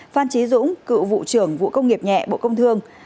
phan trí dũng cựu vụ trưởng vụ công nghiệp nhẹ bộ công thương